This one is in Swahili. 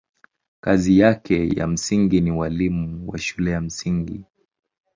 Kazi yake ya msingi ni ualimu wa shule ya msingi.